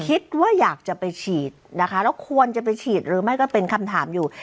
คิดว่าอยากจะไปฉีดนะคะแล้วควรจะไปฉีดหรือไม่ก็เป็นคำถามอยู่